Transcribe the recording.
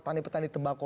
tapi kita harus jeda dulu